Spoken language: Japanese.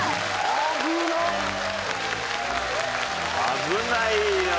危ないよ。